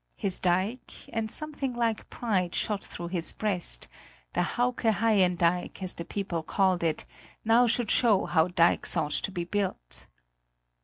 His dike and something like pride shot through his breast the Hauke Haien dike, as the people called it, now should show how dikes ought to be built!